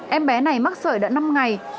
em bé này mắc sởi đã năm ngày